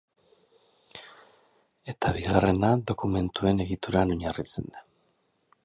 Eta bigarrena, dokumentuen egituran oinarritzen da.